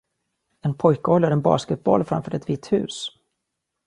en pojke håller en basketboll framför ett vitt hus